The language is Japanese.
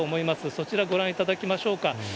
そちら、ご覧いただきましょうか。